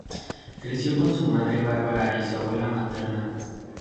Creció con su madre Barbara y su abuela materna.